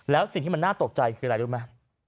แล้วสิ่งที่มันน่าตกใจคืออะไรรู้ไหม